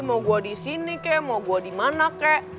mau gue disini kek mau gue dimana kek